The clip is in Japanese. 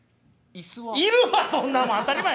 いるわそんなもん当たり前や！